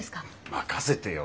任せてよ